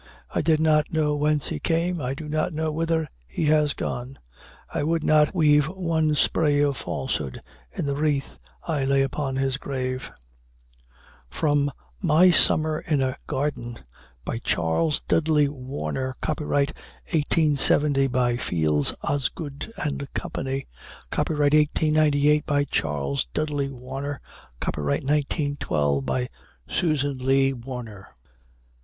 I did not know whence he came; I do not know whither he has gone. I would not weave one spray of falsehood in the wreath I lay upon his grave. [From My Summer in a Garden, by Charles Dudley Warner. Copyright, 1870, by Fields, Osgood & Co. Copyright, 1898, by Charles Dudley Warner. Copyright, 1912, by Susan Lee Warner.